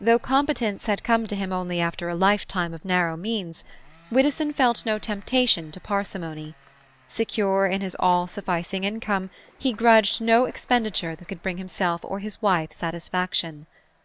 Though competence had come to him only after a lifetime of narrow means, Widdowson felt no temptation to parsimony. Secure in his all sufficing income, he grudged no expenditure that could bring himself or his wife satisfaction.